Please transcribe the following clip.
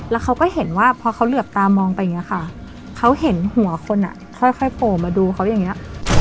แล้วเขาก็เห็นว่าพอเขาเหลือบตามองไปอย่างนี้ค่ะเขาเห็นหัวคนอ่ะค่อยโผล่มาดูเขาอย่างนี้